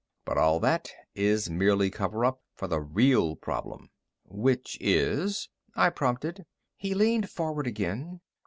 "But all that is merely cover up for the real problem." "Which is?" I prompted. He leaned forward again.